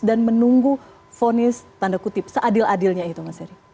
dan menunggu vonis tanda kutip seadil adilnya itu mas yary